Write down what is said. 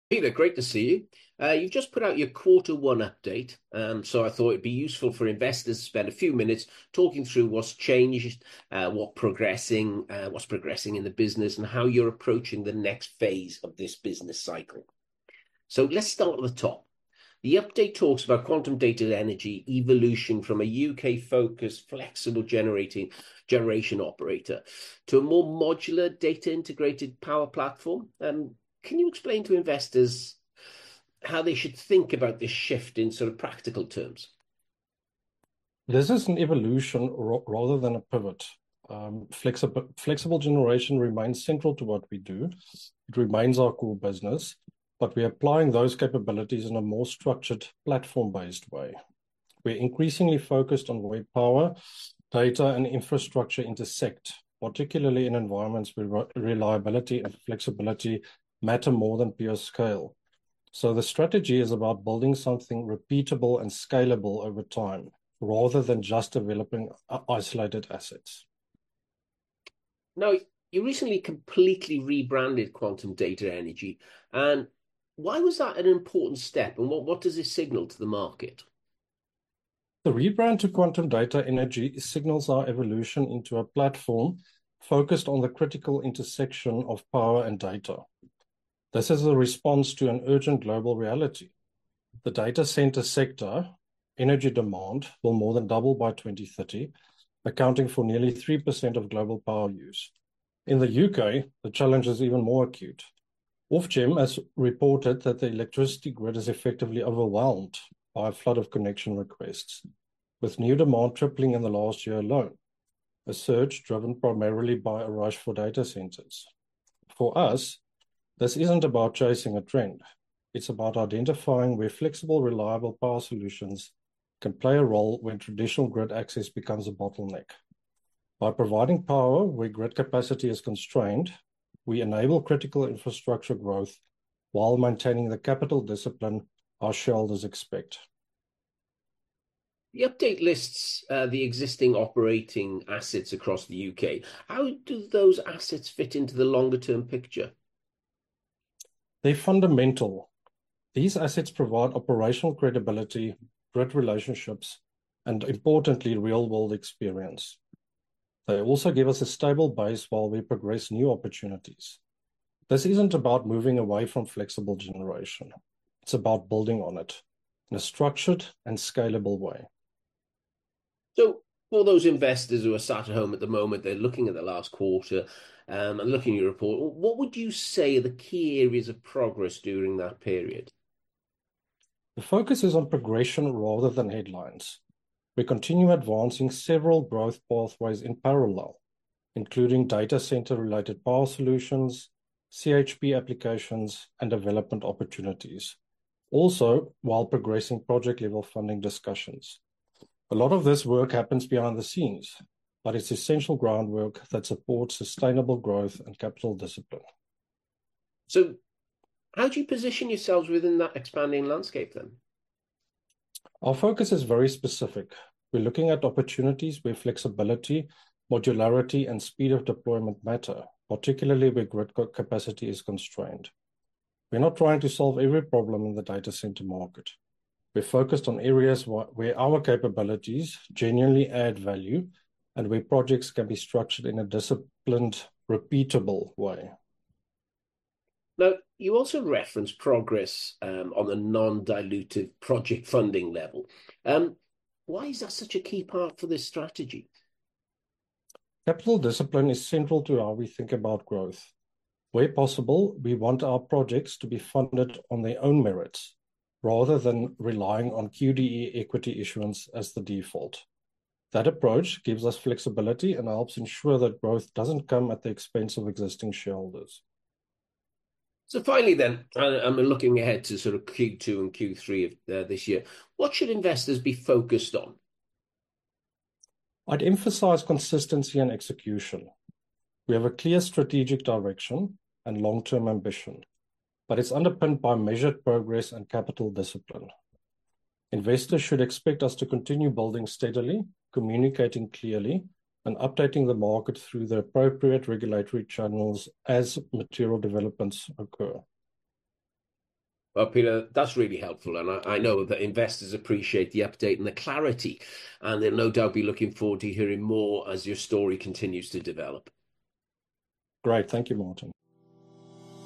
Pieter, great to see you. You've just put out your quarter one update, so I thought it'd be useful for investors to spend a few minutes talking through what's changed, what's progressing in the business, and how you're approaching the next phase of this business cycle. Let's start at the top. The update talks about Quantum Data Energy evolution from a U.K.-focused flexible generation operator to a more modular, data-integrated power platform. Can you explain to investors how they should think about this shift in sort of practical terms? This is an evolution rather than a pivot. Flexible generation remains central to what we do. It remains our core business, but we're applying those capabilities in a more structured, platform-based way. We're increasingly focused on where power, data, and infrastructure intersect, particularly in environments where reliability and flexibility matter more than pure scale. The strategy is about building something repeatable and scalable over time rather than just developing isolated assets. Now, you recently completely rebranded Quantum Data Energy. Why was that an important step, and what does this signal to the market? The rebrand to Quantum Data Energy signals our evolution into a platform focused on the critical intersection of power and data. This is a response to an urgent global reality. The data center sector energy demand will more than double by 2030, accounting for nearly 3% of global power use. In the U.K., the challenge is even more acute. Ofgem has reported that the electricity grid is effectively overwhelmed by a flood of connection requests, with new demand tripling in the last year alone, a surge driven primarily by a rush for data centers. For us, this isn't about chasing a trend. It's about identifying where flexible, reliable power solutions can play a role when traditional grid access becomes a bottleneck. By providing power where grid capacity is constrained, we enable critical infrastructure growth while maintaining the capital discipline our shareholders expect. The update lists the existing operating assets across the U.K. How do those assets fit into the longer term picture? They're fundamental. These assets provide operational credibility, grid relationships, and importantly, real-world experience. They also give us a stable base while we progress new opportunities. This isn't about moving away from flexible generation. It's about building on it in a structured and scalable way. For those investors who are sat at home at the moment, they're looking at the last quarter, and looking at your report, what would you say are the key areas of progress during that period? The focus is on progression rather than headlines. We continue advancing several growth pathways in parallel, including data center-related power solutions, CHP applications, and development opportunities, also while progressing project-level funding discussions. A lot of this work happens behind the scenes, but it's essential groundwork that supports sustainable growth and capital discipline. How do you position yourselves within that expanding landscape then? Our focus is very specific. We're looking at opportunities where flexibility, modularity, and speed of deployment matter, particularly where grid capacity is constrained. We're not trying to solve every problem in the data center market. We're focused on areas where our capabilities genuinely add value and where projects can be structured in a disciplined, repeatable way. Now, you also referenced progress, on the non-dilutive project funding level. Why is that such a key part for this strategy? Capital discipline is central to how we think about growth. Where possible, we want our projects to be funded on their own merits rather than relying on QDE equity issuance as the default. That approach gives us flexibility and helps ensure that growth doesn't come at the expense of existing shareholders. Finally then, and we're looking ahead to sort of Q2 and Q3 of this year, what should investors be focused on? I'd emphasize consistency and execution. We have a clear strategic direction and long-term ambition, but it's underpinned by measured progress and capital discipline. Investors should expect us to continue building steadily, communicating clearly, and updating the market through the appropriate regulatory channels as material developments occur. Well, Pieter, that's really helpful, and I know that investors appreciate the update and the clarity, and they'll no doubt be looking forward to hearing more as your story continues to develop. Great. Thank you, Martin.